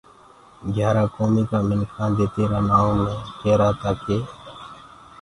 گھيآرآ ڪوميٚ ڪآ منکآنٚ دي تيرآ نآئونٚ مي ڪيرآ تآ ڪي